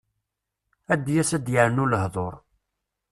Ad d-yas ad d-yernu lehdur.